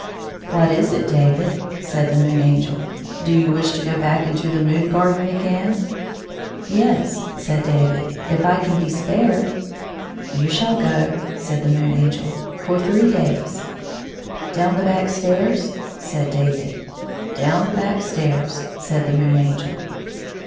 "What is it, David?" said the Moon Angel; " do you wish to go back to the moon garden again ?"" Yes," said David, " if I can be spared." " You shall go," said the Moon Angel, " for three days." "Down the back stairs?" said David. " Down the back stairs," said the Moon Angel.